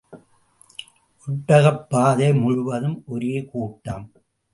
ஒட்டகப்பாதை முழுவதும் ஒரே கூட்டம்!